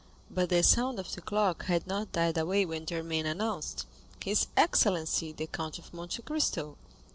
But the sound of the clock had not died away when Germain announced, "His excellency the Count of Monte Cristo."